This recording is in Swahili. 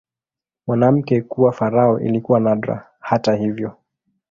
Mwanamke kuwa farao ilikuwa nadra, hata hivyo.